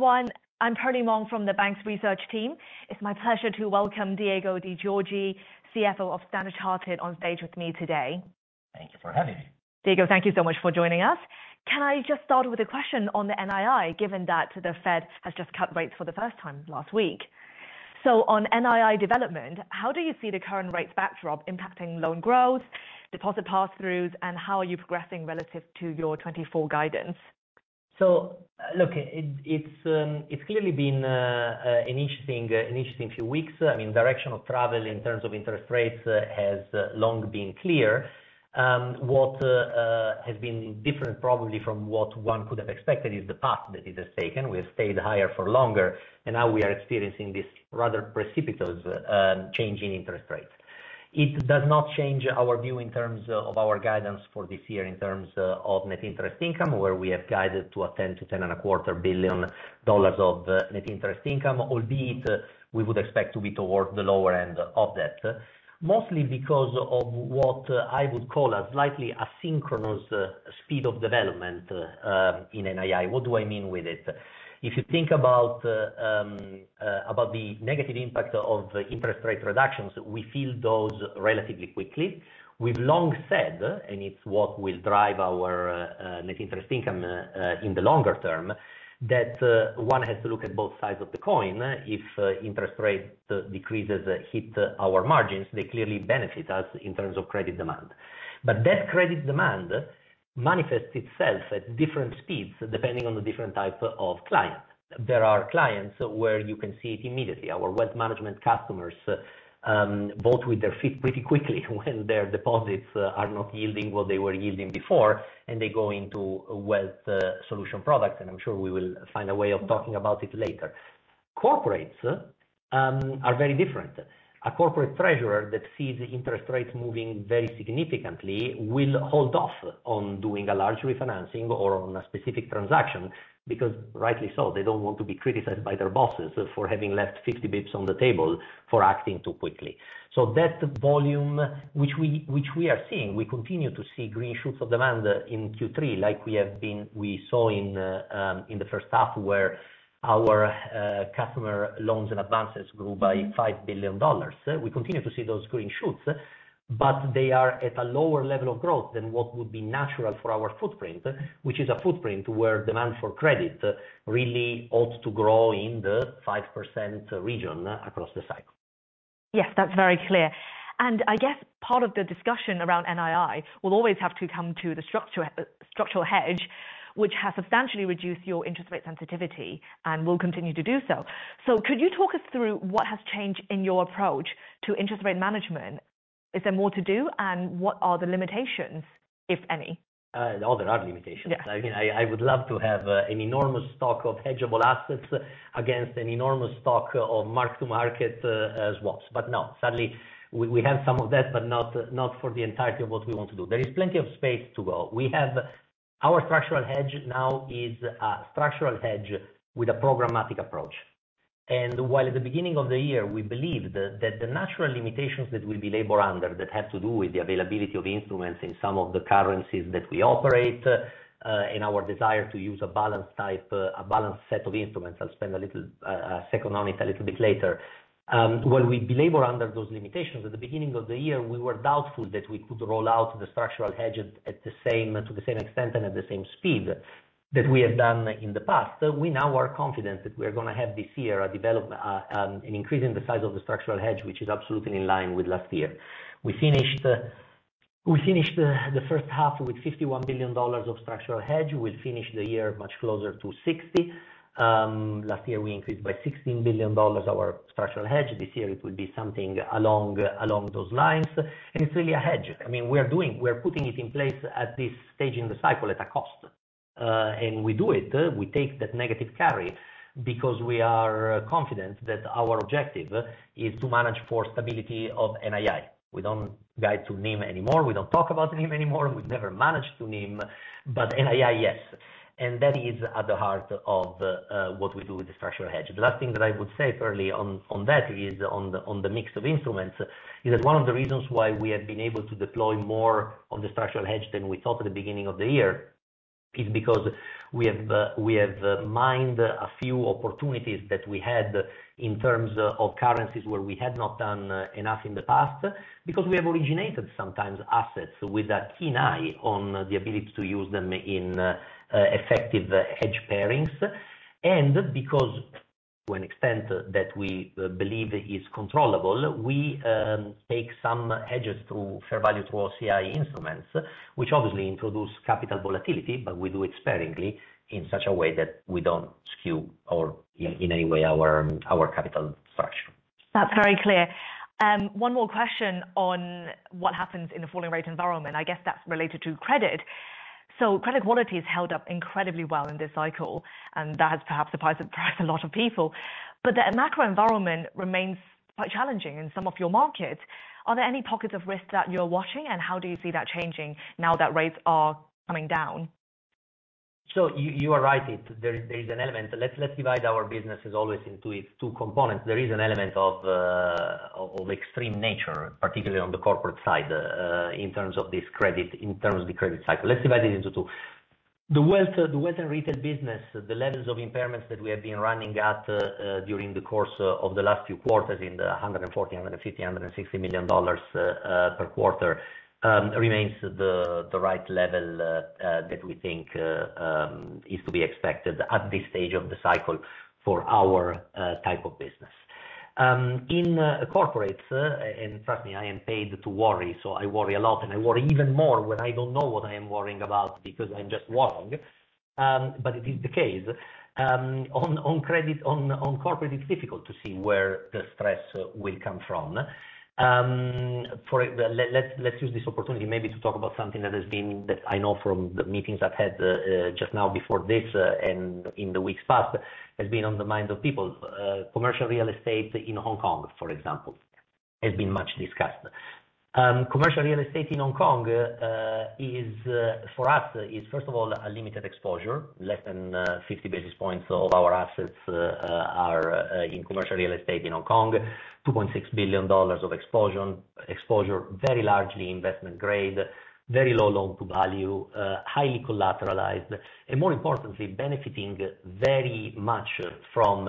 Everyone, I'm Perlie Mong from the banks research team. It's my pleasure to welcome Diego De Giorgi, CFO of Standard Chartered, on stage with me today. Thank you for having me. Diego, thank you so much for joining us. Can I just start with a question on the NII, given that the Fed has just cut rates for the first time last week? So on NII development, how do you see the current rates backdrop impacting loan growth, deposit pass-throughs, and how are you progressing relative to your 2024 guidance? So, look, it's clearly been an interesting few weeks. I mean, directional travel in terms of interest rates has long been clear. What has been different, probably from what one could have expected, is the path that it has taken. We have stayed higher for longer, and now we are experiencing this rather precipitous change in interest rates. It does not change our view in terms of our guidance for this year, in terms of net interest income, where we have guided to $10 billion-$10.25 billion of net interest income, albeit we would expect to be towards the lower end of that. Mostly because of what I would call a slightly asynchronous speed of development in NII. What do I mean with it? If you think about the negative impact of interest rate reductions, we feel those relatively quickly. We've long said, and it's what will drive our net interest income in the longer term, that one has to look at both sides of the coin. If interest rates decreases hit our margins, they clearly benefit us in terms of credit demand. But that credit demand manifests itself at different speeds, depending on the different type of client. There are clients where you can see it immediately. Our Wealth Management customers vote with their feet pretty quickly when their deposits are not yielding what they were yielding before, and they go into a wealth solution product, and I'm sure we will find a way of talking about it later. Corporates are very different. A corporate treasurer that sees interest rates moving very significantly will hold off on doing a large refinancing or on a specific transaction, because rightly so, they don't want to be criticized by their bosses for having left 50 basis points on the table for acting too quickly. So that volume which we are seeing, we continue to see green shoots of demand in Q3, like we have been. We saw in the first half, where our customer loans and advances grew by $5 billion. We continue to see those green shoots, but they are at a lower level of growth than what would be natural for our footprint. Which is a footprint where demand for credit really ought to grow in the 5% region across the cycle. Yes, that's very clear. And I guess part of the discussion around NII will always have to come to the structure, structural hedge, which has substantially reduced your interest rate sensitivity and will continue to do so. So could you talk us through what has changed in your approach to interest rate management? Is there more to do, and what are the limitations, if any? There are limitations. Yes. I mean, I would love to have an enormous stock of hedgeable assets against an enormous stock of mark-to-market as well. But no, sadly, we have some of that, but not for the entirety of what we want to do. There is plenty of space to go. We have. Our structural hedge now is a structural hedge with a programmatic approach. And while at the beginning of the year, we believed that the natural limitations that we labor under, that have to do with the availability of instruments in some of the currencies that we operate, and our desire to use a balanced type, a balanced set of instruments, I'll spend a little second on it a little bit later. When we labor under those limitations, at the beginning of the year, we were doubtful that we could roll out the structural hedge to the same extent and at the same speed that we have done in the past. So we now are confident that we are gonna have this year an increase in the size of the structural hedge, which is absolutely in line with last year. We finished the first half with $51 billion of structural hedge. We'll finish the year much closer to $60 billion. Last year we increased by $16 billion our structural hedge. This year it will be something along those lines. And it's really a hedge. I mean, we are putting it in place at this stage in the cycle, at a cost. and we do it, we take that negative carry because we are confident that our objective is to manage for stability of NII. We don't guide to NIM anymore. We don't talk about NIM anymore. We've never managed to NIM, but NII, yes, and that is at the heart of the, what we do with the structural hedge. The last thing that I would say, Perlie, on that is on the mix of instruments, is that one of the reasons why we have been able to deploy more on the structural hedge than we thought at the beginning of the year, is because we have mined a few opportunities that we had in terms of currencies, where we had not done enough in the past. Because we have originated sometimes assets with a keen eye on the ability to use them in effective hedge pairings. Because to an extent that we believe is controllable, we take some hedges through fair value through OCI instruments, which obviously introduce capital volatility, but we do it sparingly in such a way that we don't skew or in any way our capital structure. That's very clear. One more question on what happens in a falling rate environment, I guess that's related to credit. So credit quality has held up incredibly well in this cycle, and that has perhaps surprised a lot of people. But the macro environment remains quite challenging in some of your markets. Are there any pockets of risk that you're watching, and how do you see that changing now that rates are coming down? So you are right. There is an element. Let's divide our business as always into its two components. There is an element of extreme nature, particularly on the corporate side, in terms of this credit, in terms of the credit cycle. Let's divide it into two. The wealth and retail business, the levels of impairments that we have been running at, during the course of the last few quarters in the $140 million-$160 million per quarter, remains the right level that we think is to be expected at this stage of the cycle for our type of business. In corporates, and trust me, I am paid to worry, so I worry a lot, and I worry even more when I don't know what I am worrying about because I'm just worrying. But it is the case, on credit, on corporate, it's difficult to see where the stress will come from. Let's use this opportunity maybe to talk about something that has been, that I know from the meetings I've had, just now before this, and in the weeks past, has been on the minds of people. Commercial real estate in Hong Kong, for example, has been much discussed. Commercial real estate in Hong Kong is, for us, first of all, a limited exposure. Less than fifty basis points of our assets are in commercial real estate in Hong Kong, $2.6 billion of exposure, very largely investment grade, very low loan to value, highly collateralized, and more importantly, benefiting very much from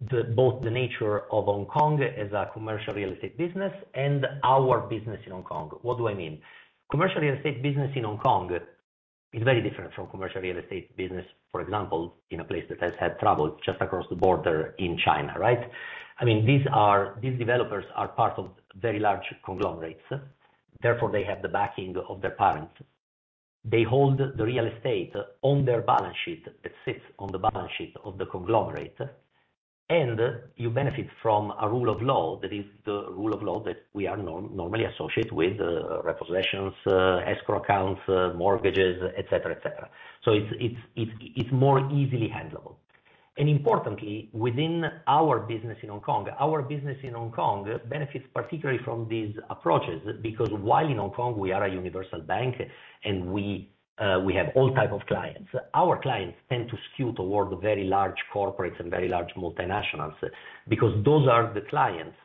both the nature of Hong Kong as a commercial real estate business and our business in Hong Kong. What do I mean? Commercial real estate business in Hong Kong is very different from commercial real estate business, for example, in a place that has had trouble just across the border in China, right? I mean, these developers are part of very large conglomerates, therefore, they have the backing of their parents. They hold the real estate on their balance sheet. It sits on the balance sheet of the conglomerate, and you benefit from a rule of law. That is the rule of law that we are normally associated with, repossessions, escrow accounts, mortgages, et cetera, et cetera. So it's more easily handleable. And importantly, within our business in Hong Kong, our business in Hong Kong benefits particularly from these approaches, because while in Hong Kong, we are a universal bank, and we have all type of clients. Our clients tend to skew toward very large corporates and very large multinationals, because those are the clients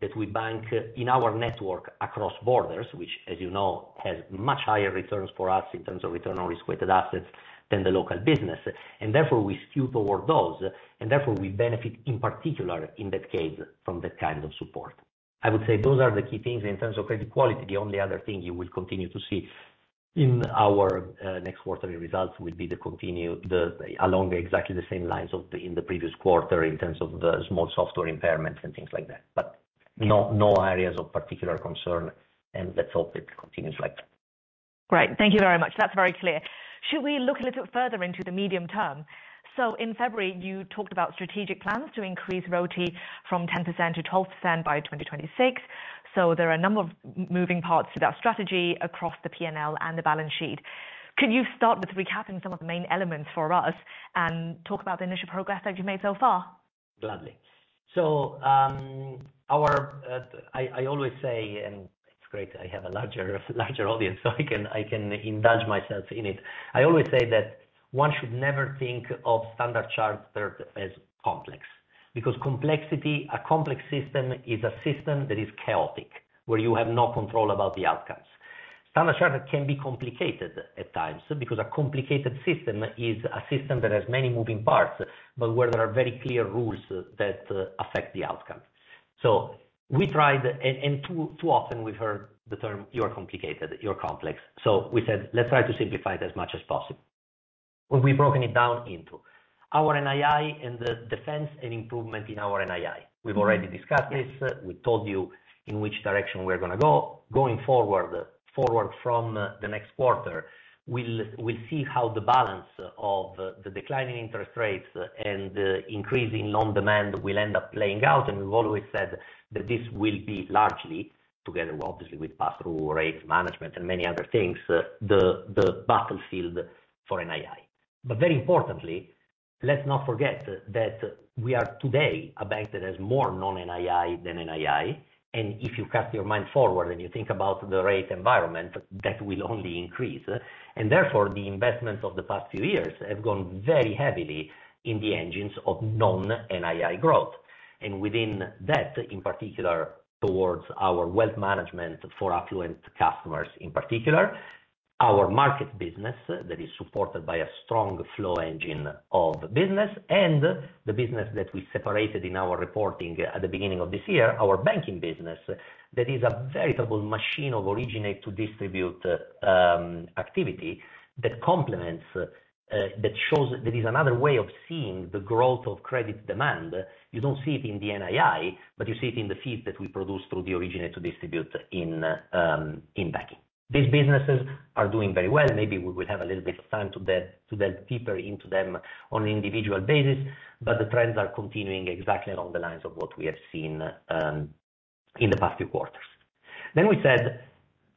that we bank in our network across borders, which, as you know, has much higher returns for us in terms of return on risk-weighted assets than the local business. And therefore, we skew toward those, and therefore, we benefit, in particular, in that case, from that kind of support. I would say those are the key things in terms of credit quality. The only other thing you will continue to see in our next quarterly results will be the continued along exactly the same lines in the previous quarter in terms of the small software impairments and things like that. But no, no areas of particular concern, and let's hope it continues like that. Great. Thank you very much. That's very clear. Should we look a little further into the medium term? So in February, you talked about strategic plans to increase ROTE from 10% to 12% by 2026. So there are a number of moving parts to that strategy across the PNL and the balance sheet. Could you start with recapping some of the main elements for us and talk about the initial progress that you've made so far? Gladly. So, I always say, and it's great, I have a larger audience, so I can indulge myself in it. I always say that one should never think of Standard Chartered as complex, because complexity, a complex system is a system that is chaotic, where you have no control about the outcomes. Standard Chartered can be complicated at times, because a complicated system is a system that has many moving parts, but where there are very clear rules that affect the outcome. So we tried, and too often we've heard the term, "You're complicated, you're complex." So we said, "Let's try to simplify it as much as possible." We've broken it down into our NII and the defense and improvement in our NII. We've already discussed this. We told you in which direction we're going to go. Going forward from the next quarter, we'll see how the balance of the declining interest rates and the increasing loan demand will end up playing out, and we've always said that this will be largely, together, obviously, with pass-through rates, management, and many other things, the battlefield for NII. But very importantly, let's not forget that we are today a bank that has more non-NII than NII, and if you cast your mind forward and you think about the rate environment, that will only increase. And therefore, the investments of the past few years have gone very heavily in the engines of non-NII growth, and within that, in particular, towards our Wealth Management for affluent customers in particular, our market business, that is supported by a strong flow engine of business, and the business that we separated in our reporting at the beginning of this year, our banking business, that is a veritable machine of originate to distribute activity that complements that shows there is another way of seeing the growth of credit demand. You don't see it in the NII, but you see it in the fees that we produce through the originate to distribute in banking. These businesses are doing very well. Maybe we will have a little bit of time to delve deeper into them on an individual basis, but the trends are continuing exactly along the lines of what we have seen in the past few quarters. Then we said,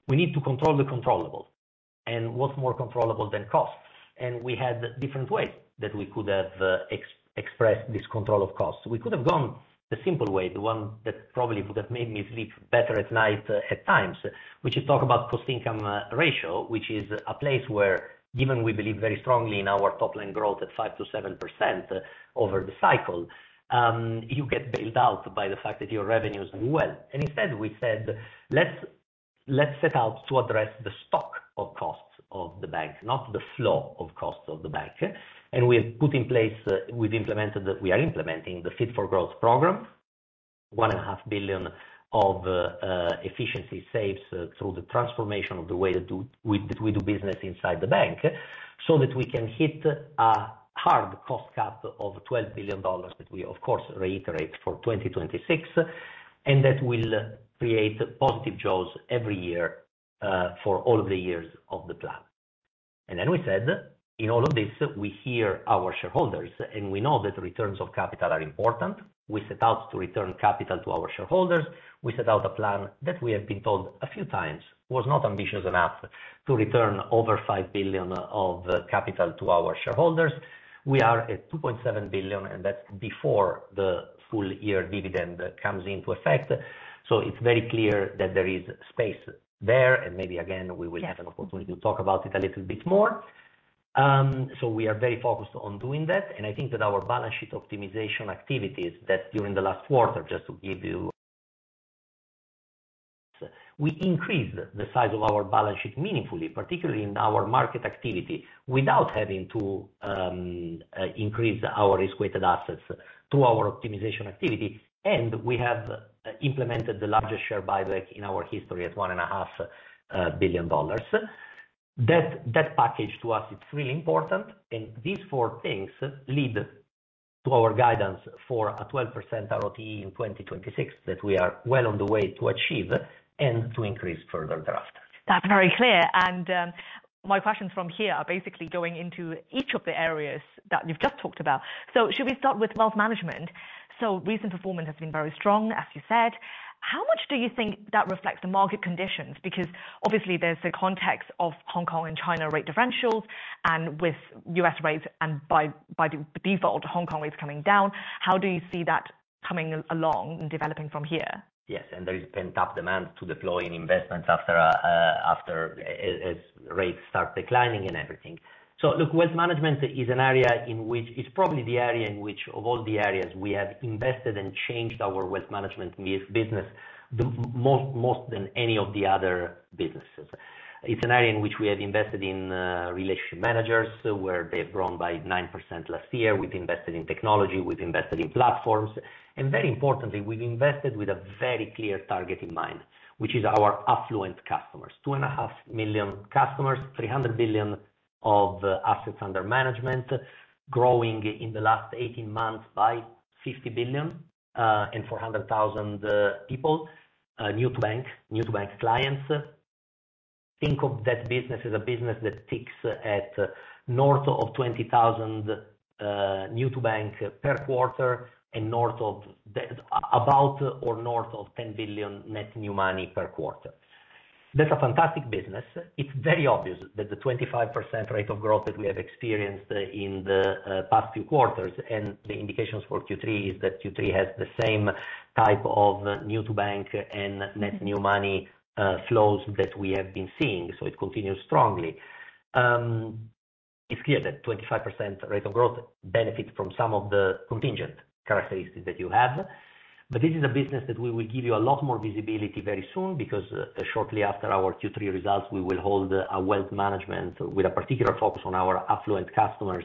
"We need to control the controllable, and what's more controllable than cost?" And we had different ways that we could have expressed this control of cost. We could have gone the simple way, the one that probably would have made me sleep better at night, at times, which is talk about cost-income ratio, which is a place where, given we believe very strongly in our top line growth at 5%-7% over the cycle, you get bailed out by the fact that your revenues do well. And instead, we said, "Let's-... Let's set out to address the stock of costs of the bank, not the flow of costs of the bank. We have put in place. We've implemented that. We are implementing the Fit for Growth program, $1.5 billion of efficiency saves through the transformation of the way that we do business inside the bank, so that we can hit a hard cost cut of $12 billion, that we of course reiterate for 2026, and that will create positive jaws every year for all of the years of the plan. Then we said, in all of this, we hear our shareholders, and we know that returns of capital are important. We set out to return capital to our shareholders. We set out a plan that we have been told a few times was not ambitious enough to return over $5 billion of capital to our shareholders. We are at $2.7 billion, and that's before the full year dividend comes into effect, so it's very clear that there is space there, and maybe again, we will have an opportunity to talk about it a little bit more, so we are very focused on doing that, and I think that our balance sheet optimization activities that during the last quarter, just to give you, we increased the size of our balance sheet meaningfully, particularly in our market activity, without having to increase our risk-weighted assets to our optimization activity, and we have implemented the largest share buyback in our history at $1.5 billion. That package to us, it's really important, and these four things lead to our guidance for a 12% ROTE in 2026, that we are well on the way to achieve and to increase further thereafter. That's very clear, and my questions from here are basically going into each of the areas that you've just talked about. So should we start with Wealth Management? Recent performance has been very strong, as you said. How much do you think that reflects the market conditions? Because obviously there's the context of Hong Kong and China rate differentials, and with U.S. rates, and by default, Hong Kong rates coming down. How do you see that coming along and developing from here? Yes, and there is pent-up demand to deploy in investments after rates start declining and everything. So look, Wealth Management is an area in which, it's probably the area in which, of all the areas we have invested and changed our Wealth Management business, the most than any of the other businesses. It's an area in which we have invested in relationship managers, where they've grown by 9% last year. We've invested in technology, we've invested in platforms, and very importantly, we've invested with a very clear target in mind, which is our affluent customers. 2.5 million customers, $300 billion of assets under management, growing in the last 18 months by $50 billion, and 400,000 new-to-bank clients. Think of that business as a business that ticks at north of 20,000 new to bank per quarter, and north of the-- about or north of $10 billion net new money per quarter. That's a fantastic business. It's very obvious that the 25% rate of growth that we have experienced in the past few quarters, and the indications for Q3, is that Q3 has the same type of new to bank and net new money flows that we have been seeing, so it continues strongly. It's clear that 25% rate of growth benefit from some of the contingent characteristics that you have. But this is a business that we will give you a lot more visibility very soon, because shortly after our Q3 results, we will hold a Wealth Management with a particular focus on our affluent customers,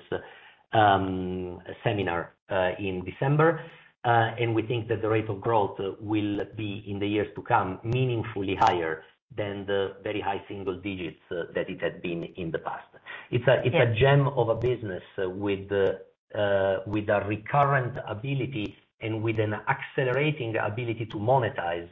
seminar in December. And we think that the rate of growth will be, in the years to come, meaningfully higher than the very high single digits that it had been in the past. It's a, it's a gem of a business with the, with a recurrent ability and with an accelerating ability to monetize.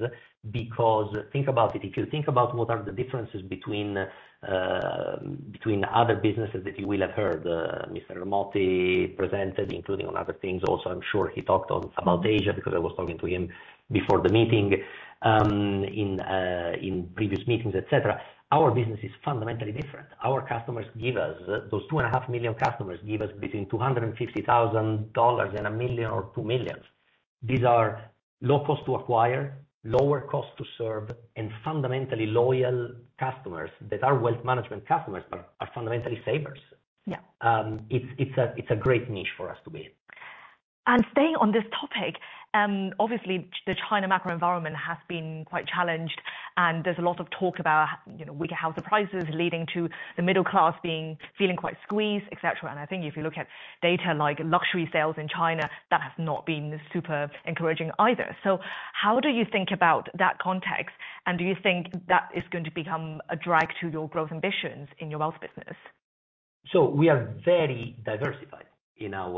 Because think about it, if you think about what are the differences between, between other businesses that you will have heard, Mr. Ermotti presented, including on other things also. I'm sure he talked about Asia, because I was talking to him before the meeting, in previous meetings, et cetera. Our business is fundamentally different. Our customers, those 2.5 million customers, give us between $250,000 and $1 million or $2 million. These are low cost to acquire, lower cost to serve, and fundamentally loyal customers that are Wealth Management customers, but are fundamentally savers. Yeah. It's a great niche for us to be in. Staying on this topic, obviously, the China macro environment has been quite challenged, and there's a lot of talk about, you know, weaker house prices leading to the middle class being, feeling quite squeezed, et cetera. I think if you look at data like luxury sales in China, that has not been super encouraging either. How do you think about that context, and do you think that is going to become a drag to your growth ambitions in your wealth business? So we are very diversified in our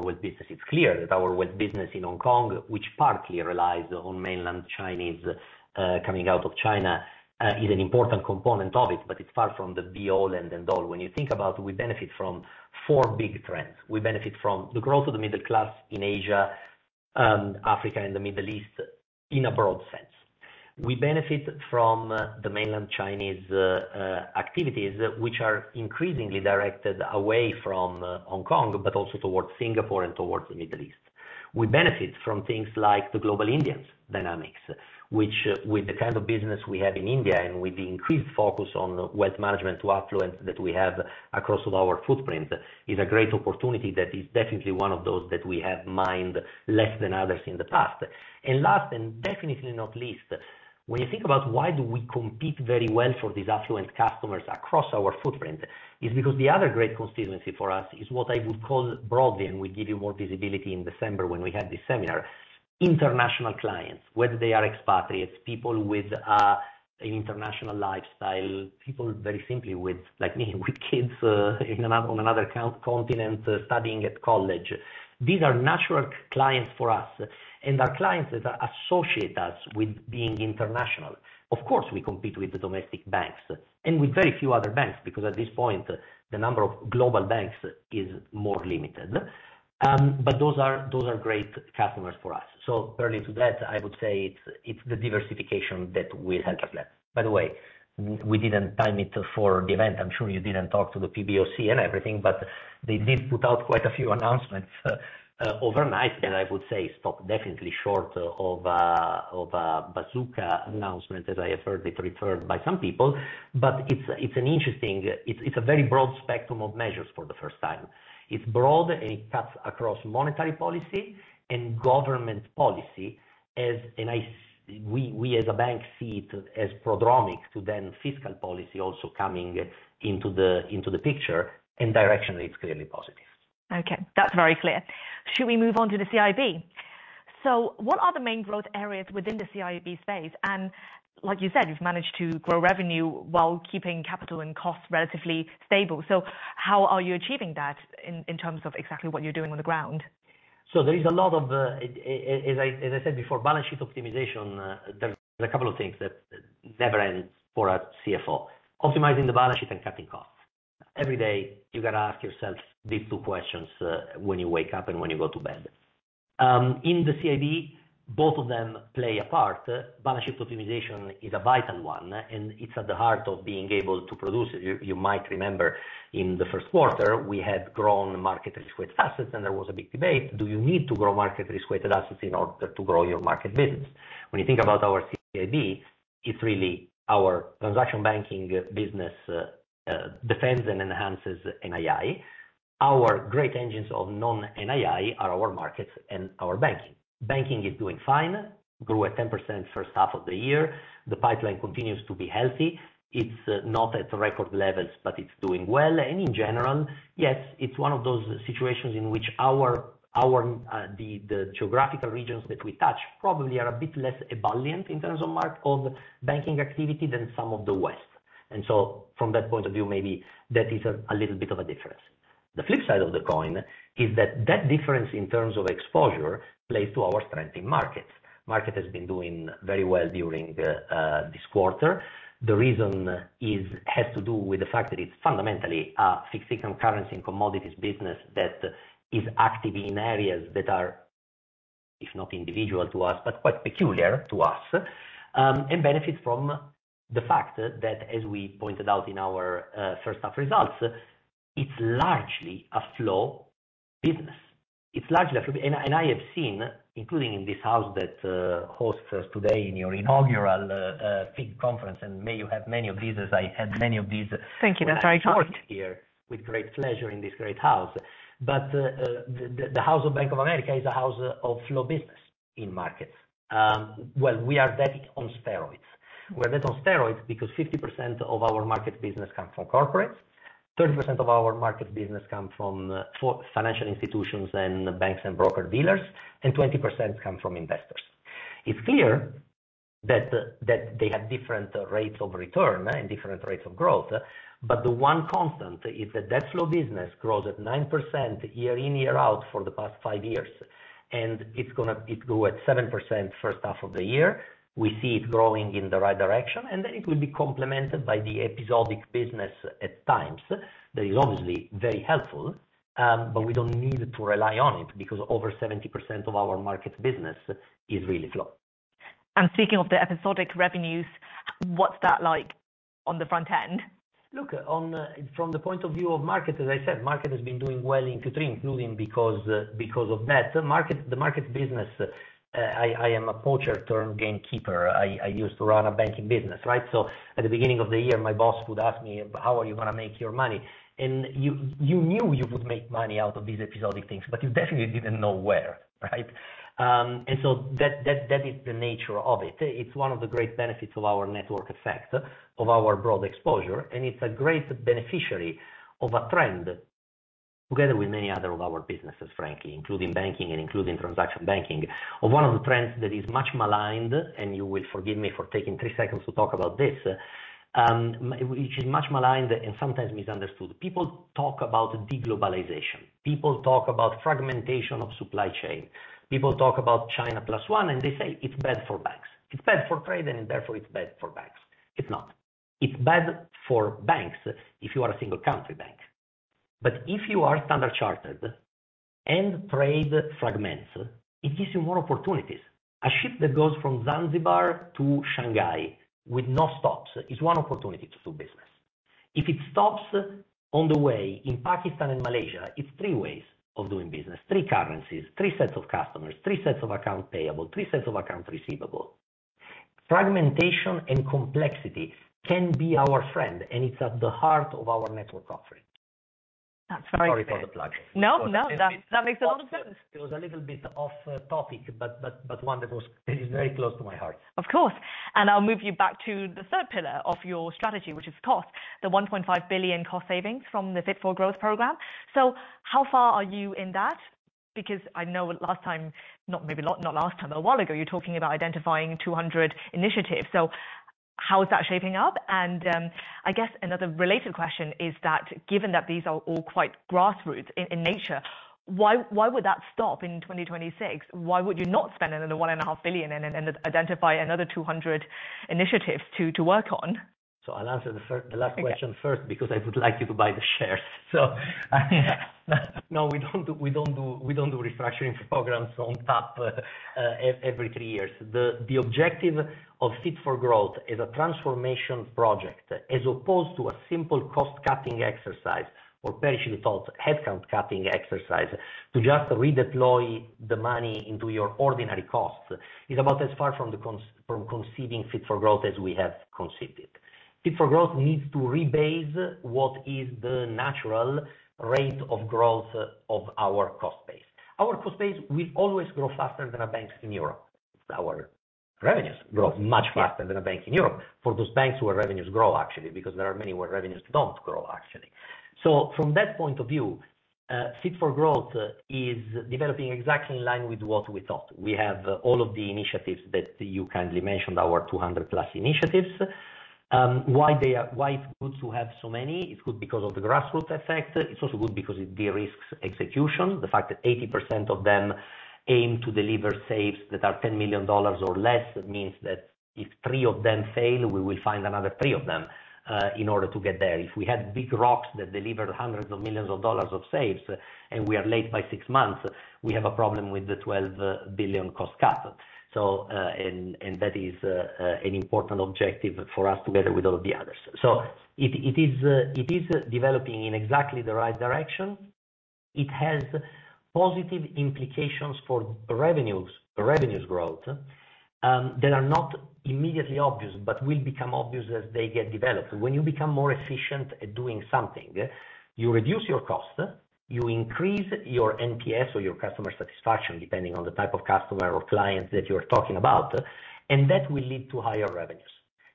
wealth business. It's clear that our wealth business in Hong Kong, which partly relies on mainland Chinese coming out of China, is an important component of it, but it's far from the be all and end all. When you think about we benefit from four big trends. We benefit from the growth of the middle class in Asia, Africa and the Middle East, in a broad sense. We benefit from the mainland Chinese activities, which are increasingly directed away from Hong Kong, but also towards Singapore and towards the Middle East... We benefit from things like the global Indians dynamics, which with the kind of business we have in India and with the increased focus on Wealth Management to affluent that we have across our footprint, is a great opportunity that is definitely one of those that we have mined less than others in the past, and last, and definitely not least, when you think about why do we compete very well for these affluent customers across our footprint, is because the other great constituency for us is what I would call broadly, and we give you more visibility in December when we have this seminar, international clients, whether they are expatriates, people with an international lifestyle, people very simply with, like me, with kids in another continent, studying at college. These are natural clients for us, and are clients that associate us with being international. Of course, we compete with the domestic banks, and with very few other banks, because at this point, the number of global banks is more limited, but those are great customers for us. So early to that, I would say it's the diversification that will help us there. By the way, we didn't time it for the event. I'm sure you didn't talk to the PBOC and everything, but they did put out quite a few announcements overnight, and I would say stopped definitely short of a bazooka announcement, as I have heard it referred by some people, but it's interesting, it's a very broad spectrum of measures for the first time. It's broad, and it cuts across monetary policy and government policy, and we, as a bank, see it as prodromal to then fiscal policy also coming into the picture, and directionally, it's clearly positive. Okay, that's very clear. Should we move on to the CIB? So what are the main growth areas within the CIB space? And like you said, you've managed to grow revenue while keeping capital and costs relatively stable. So how are you achieving that in terms of exactly what you're doing on the ground? There is a lot of, as I said before, balance sheet optimization. There's a couple of things that never ends for a CFO: optimizing the balance sheet and cutting costs. Every day, you gotta ask yourself these two questions, when you wake up and when you go to bed. In the CIB, both of them play a part. Balance sheet optimization is a vital one, and it's at the heart of being able to produce. You might remember in the first quarter, we had grown market risk-weighted assets, and there was a big debate, do you need to grow market risk-weighted assets in order to grow your market business? When you think about our CIB, it's really our transaction banking business, defends and enhances NII. Our great engines of non-NII are our markets and our banking. Banking is doing fine, grew at 10% first half of the year. The pipeline continues to be healthy. It's not at record levels, but it's doing well. And in general, yes, it's one of those situations in which our the geographical regions that we touch probably are a bit less ebullient in terms of M&A banking activity than some of the West. And so from that point of view, maybe that is a little bit of a difference. The flip side of the coin is that that difference in terms of exposure plays to our strength in markets. Markets have been doing very well during this quarter. The reason has to do with the fact that it's fundamentally a fixed income currency and commodities business that is active in areas that are, if not individual to us, but quite peculiar to us. And benefit from the fact that, as we pointed out in our first half results, it's largely a flow business. And I have seen, including in this house that hosts us today in your inaugural FIG conference, and may you have many of these, as I had many of these. Thank you. That's right. Here with great pleasure in this great house. But the house of Bank of America is a house of flow business in markets. Well, we are betting on steroids. We're betting on steroids because 50% of our market business comes from corporates, 30% of our market business come from financial institutions and banks and broker dealers, and 20% come from investors. It's clear that they have different rates of return and different rates of growth, but the one constant is that flow business grows at 9% year in, year out for the past five years, and it grew at 7% first half of the year. We see it growing in the right direction, and then it will be complemented by the episodic business at times. That is obviously very helpful, but we don't need to rely on it, because over 70% of our market business is really flow. Speaking of the episodic revenues, what's that like on the front end? Look, on from the point of view of market, as I said, market has been doing well in Q3, including because, because of that. The market, the market business, I am a poacher turned gamekeeper. I used to run a banking business, right? So at the beginning of the year, my boss would ask me, "How are you gonna make your money?" And you knew you would make money out of these episodic things, but you definitely didn't know where, right? And so that is the nature of it. It's one of the great benefits of our network effect, of our broad exposure, and it's a great beneficiary of a trend, together with many other of our businesses, frankly, including banking and including transaction banking, of one of the trends that is much maligned, and you will forgive me for taking three seconds to talk about this, which is much maligned and sometimes misunderstood. People talk about de-globalization. People talk about fragmentation of supply chain. People talk about China Plus One, and they say it's bad for banks. It's bad for banks if you are a single country bank, but if you are Standard Chartered and trade fragments, it gives you more opportunities. A ship that goes from Zanzibar to Shanghai with no stops is one opportunity to do business.... If it stops on the way in Pakistan and Malaysia, it's three ways of doing business, three currencies, three sets of customers, three sets of accounts payable, three sets of accounts receivable. Fragmentation and complexity can be our friend, and it's at the heart of our network offering. That's right. Sorry for the plug. No, no, that, that makes a lot of sense. It was a little bit off topic, but one that was. It is very close to my heart. Of course. And I'll move you back to the third pillar of your strategy, which is cost, the $1.5 billion cost savings from the Fit for Growth program. So how far are you in that? Because I know, a while ago, you were talking about identifying 200 initiatives. So how is that shaping up? And I guess another related question is that, given that these are all quite grassroots in nature, why would that stop in 2026? Why would you not spend another $1.5 billion and identify another 200 initiatives to work on? So I'll answer the last question first, because I would like you to buy the shares. So no, we don't do, we don't do, we don't do restructuring programs on top every three years. The objective of Fit for Growth is a transformation project, as opposed to a simple cost-cutting exercise or perish result, headcount cutting exercise, to just redeploy the money into your ordinary costs. It's about as far from the from conceiving Fit for Growth as we have conceived it. Fit for Growth needs to rebase what is the natural rate of growth of our cost base. Our cost base will always grow faster than banks in Europe. Our revenues grow much faster than a bank in Europe, for those banks where revenues grow, actually, because there are many where revenues don't grow, actually. So from that point of view, Fit for Growth is developing exactly in line with what we thought. We have all of the initiatives that you kindly mentioned, our two hundred plus initiatives. Why it's good to have so many? It's good because of the grassroots effect. It's also good because it de-risks execution. The fact that 80% of them aim to deliver saves that are $10 million or less, that means that if three of them fail, we will find another three of them, in order to get there. If we had big rocks that delivered hundreds of millions of dollars of saves, and we are late by six months, we have a problem with the $12 billion cost cut. So, that is an important objective for us, together with all the others. It is developing in exactly the right direction. It has positive implications for revenues growth that are not immediately obvious, but will become obvious as they get developed. When you become more efficient at doing something, you reduce your cost, you increase your NPS or your customer satisfaction, depending on the type of customer or client that you're talking about, and that will lead to higher revenues.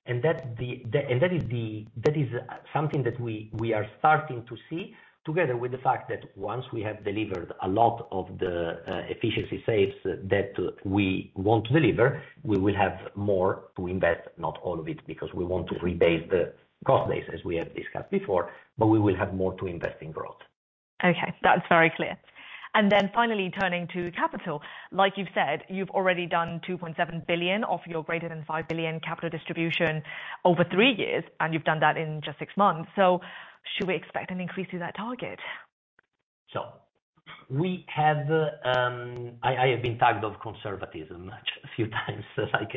That is something that we are starting to see, together with the fact that once we have delivered a lot of the efficiency saves that we want to deliver, we will have more to invest, not all of it, because we want to rebase the cost base, as we have discussed before, but we will have more to invest in growth. Okay, that's very clear. And then finally, turning to capital. Like you've said, you've already done $2.7 billion of your greater than $5 billion capital distribution over three years, and you've done that in just six months. So should we expect an increase to that target? I have been tagged of conservatism actually a few times, like,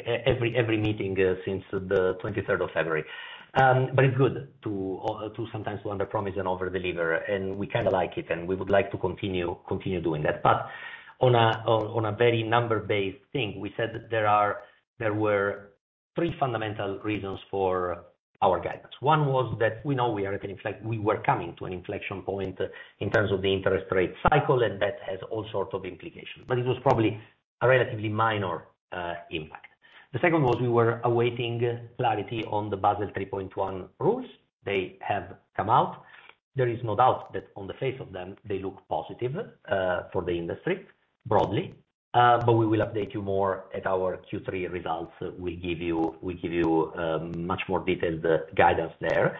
every meeting since the 23rd February. But it's good to sometimes underpromise and overdeliver, and we kind of like it, and we would like to continue doing that. But on a very number-based thing, we said there were three fundamental reasons for our guidance. One was that we know we were coming to an inflection point in terms of the interest rate cycle, and that has all sorts of implications, but it was probably a relatively minor impact. The second was we were awaiting clarity on the Basel 3.1 rules. They have come out. There is no doubt that on the face of them, they look positive for the industry, broadly. But we will update you more at our Q3 results. We give you much more detailed guidance there.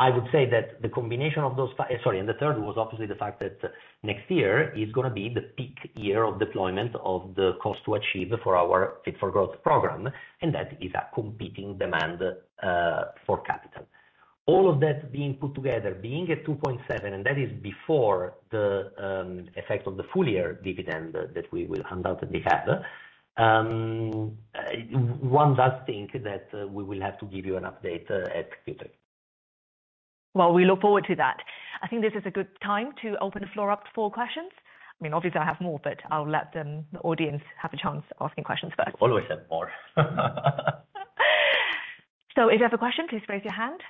I would say that the combination of those and the third was obviously the fact that next year is going to be the peak year of deployment of the cost to achieve for our Fit for Growth program, and that is a competing demand for capital. All of that being put together, being at 2.7, and that is before the effect of the full year dividend that we will undoubtedly have. One does think that we will have to give you an update at Q3. We look forward to that. I think this is a good time to open the floor up for questions. I mean, obviously, I have more, but I'll let them, the audience, have a chance asking questions first. Always have more. So if you have a question, please raise your hand.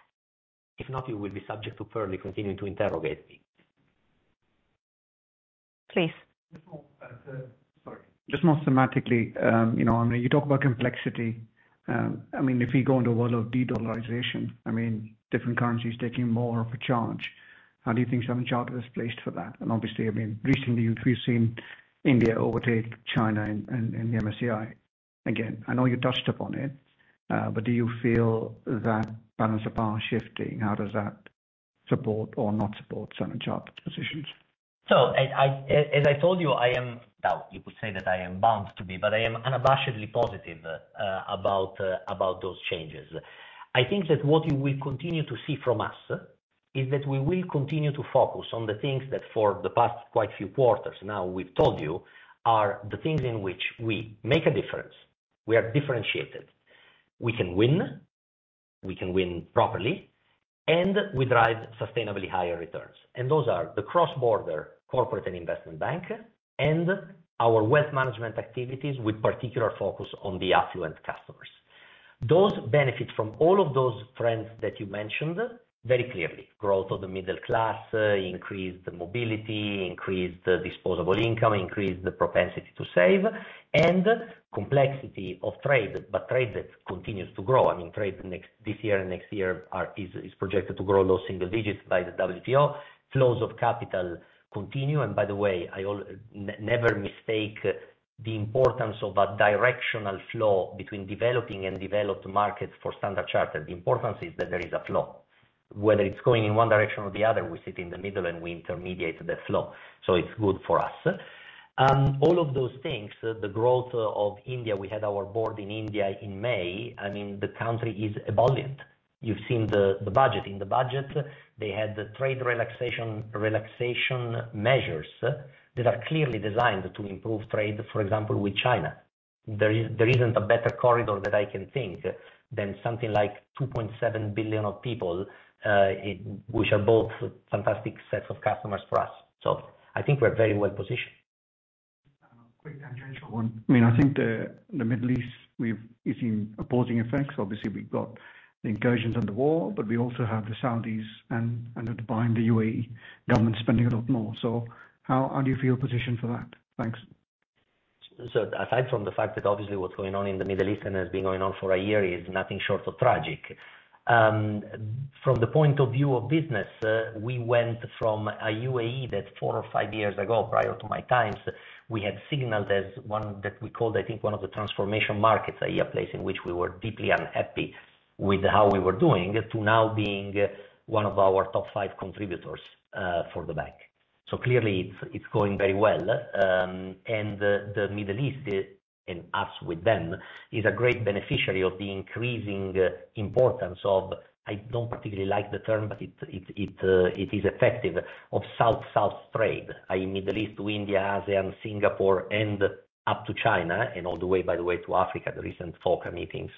If not, you will be subject to Perlie continuing to interrogate me. Please. Just more, sorry. Just more thematically, you know, I mean, you talk about complexity. I mean, if we go into a world of dedollarization, I mean, different currencies taking more of a charge, how do you think Standard Chartered is placed for that? And obviously, I mean, recently, we've seen India overtake China in the MSCI. Again, I know you touched upon it, but do you feel that balance of power is shifting? How does that support or not support Standard Chartered positions? So as I told you, I am. Well, you could say that I am bound to be, but I am unabashedly positive about those changes. I think that what you will continue to see from us is that we will continue to focus on the things that for the past quite few quarters now, we've told you are the things in which we make a difference. We are differentiated. We can win, we can win properly, and we drive sustainably higher returns. And those are the cross-border corporate and investment bank and our Wealth Management activities, with particular focus on the affluent customers. Those benefit from all of those trends that you mentioned, very clearly, growth of the middle class, increased mobility, increased disposable income, increased the propensity to save and complexity of trade, but trade that continues to grow. I mean, trade next this year and next year is projected to grow low single digits by the WTO. Flows of capital continue, and by the way, I never mistake the importance of a directional flow between developing and developed markets for Standard Chartered. The importance is that there is a flow. Whether it's going in one direction or the other, we sit in the middle, and we intermediate the flow, so it's good for us. All of those things, the growth of India, we had our board in India in May. I mean, the country is ebullient. You've seen the budget. In the budget, they had the trade relaxation measures that are clearly designed to improve trade, for example, with China. There isn't a better corridor that I can think, than something like 2.7 billion people, which are both fantastic sets of customers for us. So I think we're very well positioned. Quick tangential one. I mean, I think the, the Middle East, we've seen opposing effects. Obviously, we've got the incursions and the war, but we also have the Saudis and, and Dubai and the UAE government spending a lot more. So how, how do you feel positioned for that? Thanks. So aside from the fact that obviously what's going on in the Middle East, and has been going on for a year, is nothing short of tragic. From the point of view of business, we went from a UAE that four or five years ago, prior to my times, we had signaled as one that we called, I think, one of the transformation markets, a place in which we were deeply unhappy with how we were doing, to now being one of our top five contributors, for the bank. So clearly, it's, it's going very well. And the Middle East, and us with them, is a great beneficiary of the increasing importance of, I don't particularly like the term, but it is effective, of South-South trade, i.e., Middle East to India, ASEAN, Singapore, and up to China, and all the way, by the way, to Africa. The recent FOCAC meetings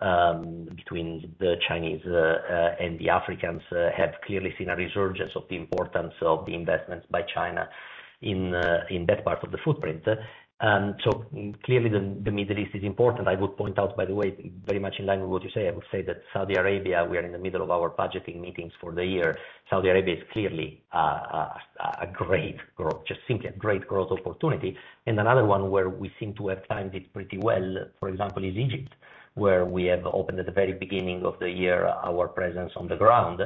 between the Chinese and the Africans have clearly seen a resurgence of the importance of the investments by China in that part of the footprint. So clearly, the Middle East is important. I would point out, by the way, very much in line with what you say, I would say that Saudi Arabia, we are in the middle of our budgeting meetings for the year. Saudi Arabia is clearly a great growth, just simply a great growth opportunity. And another one where we seem to have timed it pretty well, for example, is Egypt, where we have opened at the very beginning of the year, our presence on the ground,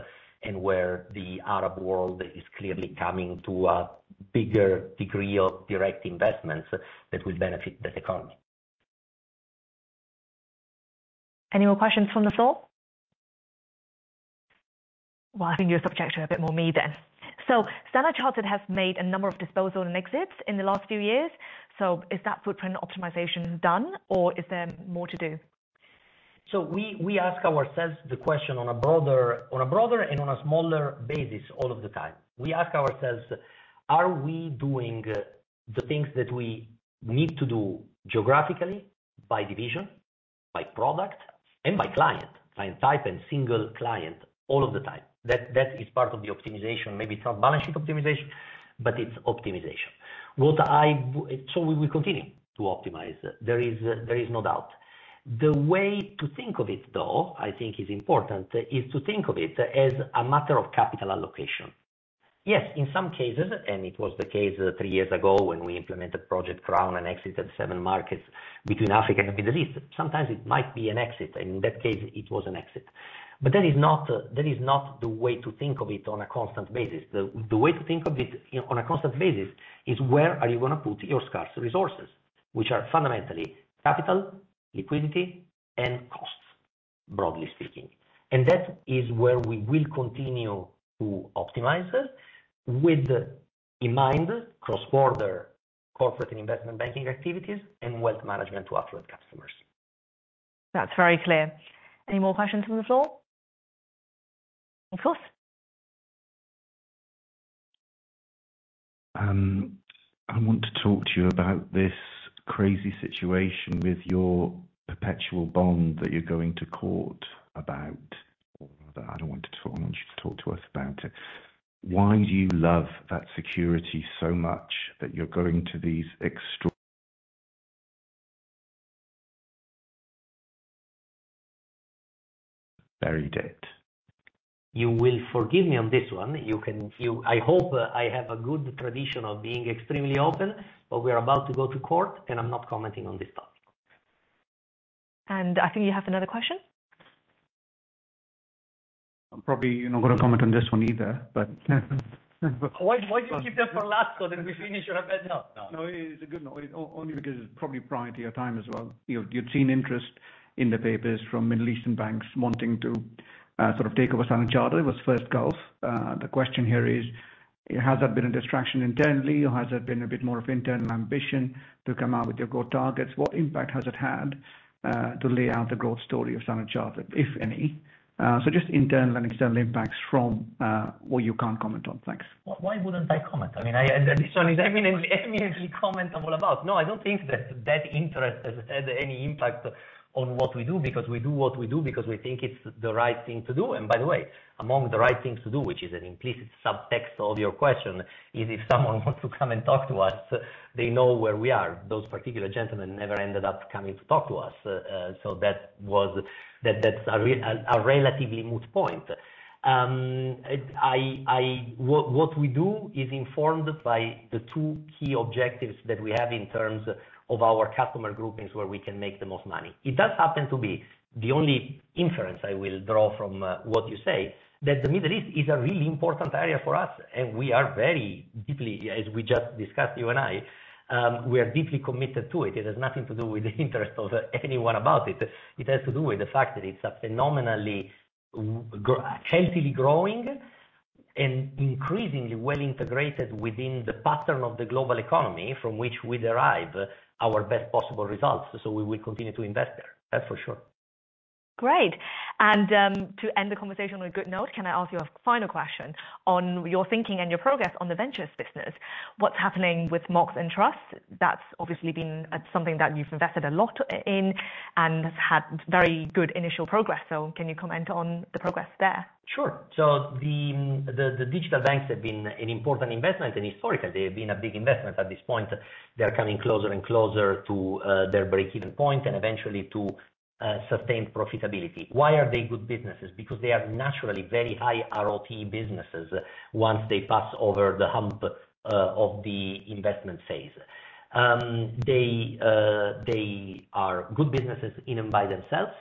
and where the Arab world is clearly coming to a bigger degree of direct investments that will benefit the economy. Any more questions from the floor? Well, I think you're subject to a bit more from me then. So Standard Chartered has made a number of disposals and exits in the last few years. So is that footprint optimization done, or is there more to do? We ask ourselves the question on a broader and on a smaller basis all of the time. We ask ourselves, are we doing the things that we need to do geographically, by division, by product, and by client type, and single client all of the time? That is part of the optimization. Maybe it's not balance sheet optimization, but it's optimization. So we will continue to optimize. There is no doubt. The way to think of it, though, I think is important, is to think of it as a matter of capital allocation. Yes, in some cases, and it was the case three years ago when we implemented Project Crown and exited seven markets between Africa and Middle East. Sometimes it might be an exit, and in that case, it was an exit. That is not the way to think of it on a constant basis. The way to think of it on a constant basis is where are you gonna put your scarce resources? Which are fundamentally capital, liquidity, and costs, broadly speaking. That is where we will continue to optimize this, with in mind, cross-border corporate and investment banking activities and Wealth Management to affluent customers. That's very clear. Any more questions from the floor? Of course. I want to talk to you about this crazy situation with your perpetual bond that you're going to court about. I don't want to talk... I want you to talk to us about it. Why do you love that security so much that you're going to these extraordinary bury debt? You will forgive me on this one. I hope I have a good tradition of being extremely open, but we're about to go to court, and I'm not commenting on this topic. I think you have another question. Probably you're not going to comment on this one either, but Why, why do you keep them for last, so then we finish on a bad note? No. No, it's a good note. Only because it's probably prior to your time as well. You know, you've seen interest in the papers from Middle Eastern banks wanting to sort of take over Standard Chartered. It was First Gulf. The question here is, has that been a distraction internally, or has it been a bit more of internal ambition to come out with your growth targets? What impact has it had to lay out the growth story of Standard Chartered, if any, so just internal and external impacts from what you can't comment on. Thanks. Why, why wouldn't I comment? I mean, and this one is eminently commentable about. No, I don't think that that interest has had any impact on what we do, because we do what we do because we think it's the right thing to do. And by the way, among the right things to do, which is an implicit subtext of your question, is if someone wants to come and talk to us, they know where we are. Those particular gentlemen never ended up coming to talk to us. So that was... That's a relatively moot point. What we do is informed by the two key objectives that we have in terms of our customer groupings, where we can make the most money. It does happen to be the only inference I will draw from what you say, that the Middle East is a really important area for us, and we are very deeply, as we just discussed, you and I, we are deeply committed to it. It has nothing to do with the interest of anyone about it. It has to do with the fact that it's a phenomenally healthily growing and increasingly well integrated within the pattern of the global economy, from which we derive our best possible results. So we will continue to invest there, that's for sure. Great. And, to end the conversation on a good note, can I ask you a final question on your thinking and your progress on the ventures business? What's happening with Mox and Trust? That's obviously been something that you've invested a lot in, and has had very good initial progress. So can you comment on the progress there? Sure. So the digital banks have been an important investment, and historically they have been a big investment at this point. They are coming closer and closer to their breakeven point, and eventually to sustained profitability. Why are they good businesses? Because they are naturally very high ROP businesses, once they pass over the hump of the investment phase. They are good businesses in and by themselves.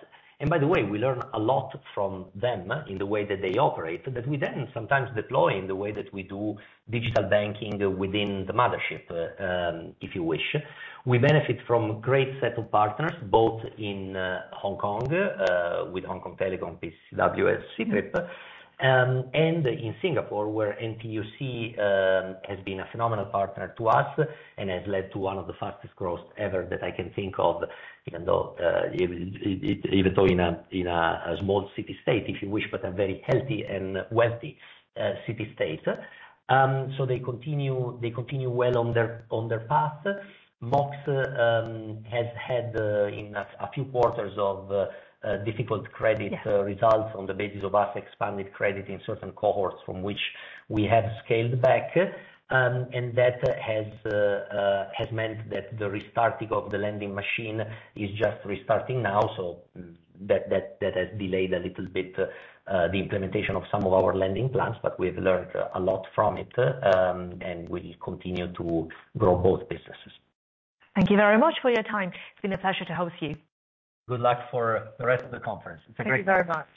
And by the way, we learn a lot from them in the way that they operate, that we then sometimes deploy in the way that we do digital banking within the mothership, if you wish. We benefit from a great set of partners, both in Hong Kong with Hong Kong Telecom, PCCW, Ctrip. And in Singapore, where NTUC has been a phenomenal partner to us and has led to one of the fastest growths ever that I can think of, even though in a small city state, if you wish, but a very healthy and wealthy city state. So they continue well on their path. Mox has had in a few quarters of difficult credit- Yeah... results on the basis of our expanded credit in certain cohorts from which we have scaled back. And that has meant that the restarting of the lending machine is just restarting now. So that has delayed a little bit the implementation of some of our lending plans, but we've learned a lot from it. And we continue to grow both businesses. Thank you very much for your time. It's been a pleasure to host you. Good luck for the rest of the conference. It's a great- Thank you very much.